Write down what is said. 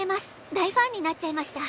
「大ファンになっちゃいました！